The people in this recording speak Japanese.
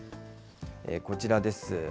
こちらです。